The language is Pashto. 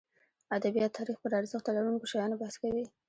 ادبیات تاریخ پرارزښت لرونکو شیانو بحث کوي.